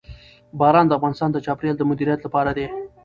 باران د افغانستان د چاپیریال د مدیریت لپاره دی.